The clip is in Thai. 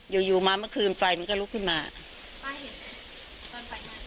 อยู่อยู่มาเมื่อคืนไฟมันก็ลุกขึ้นมาไฟเห็นไง